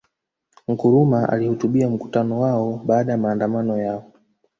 Nkrumah alihutubia mkutano wao baada ya maandamano yao